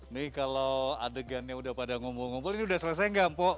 nih kalau adegannya sudah pada ngumpul ngumpul ini sudah selesai enggak mpok